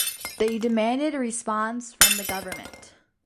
They demanded a response from the government.